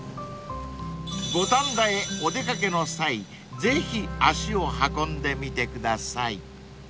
［五反田へお出掛けの際ぜひ足を運んでみてください］